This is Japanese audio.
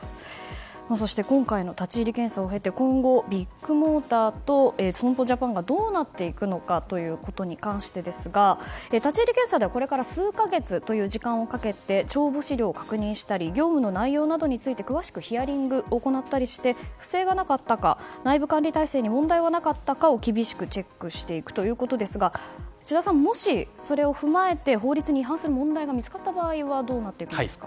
そして今回の立ち入り検査を経て、今後ビッグモーターと損保ジャパンがどうなっていくのかに関してですが立ち入り検査ではこれから数か月という時間をかけて帳簿資料を確認したり業務の内容などについて詳しくヒアリングを行ったりして不正がなかったか内部管理体制に問題はなかったかを厳しくチェックしていくということですが智田さん、もしそれを踏まえて法律に違反する問題が見つかった場合はどうなっていくんですか？